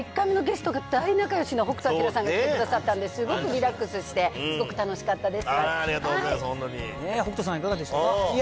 ゲストが大仲よしの北斗晶さんが来てくださったんで、すごくリラックスして、すごく楽しかったです。